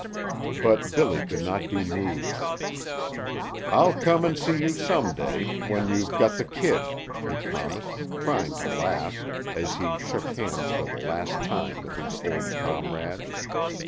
But Billy could not be moved. "I'll come and see you some day when you've got the kid," he promised, trying to laugh, as he shook hands for the last time with his old comrade.